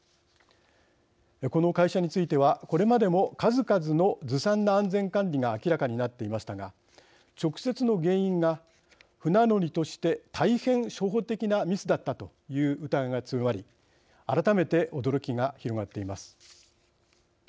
この会社についてはこれまでも数々のずさんな安全管理が明らかになっていましたが直接の原因が船乗りとして大変、初歩的なミスだったという疑いが強まり改めて驚きが広がっています。